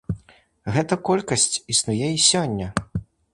Гэта колькасць існуе і сёння.